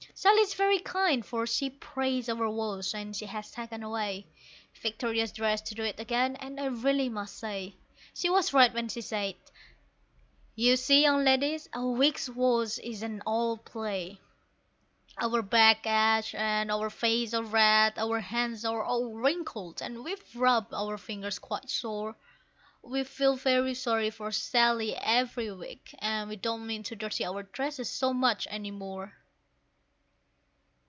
Sally's very kind, for she praised our wash, and she has taken away Victoria's dress to do it again; and I really must say She was right when she said, "You see, young ladies, a week's wash isn't all play." Our backs ache, our faces are red, our hands are all wrinkled, and we've rubbed our fingers quite sore; We feel very sorry for Sally every week, and we don't mean to dirty our dresses so much any more.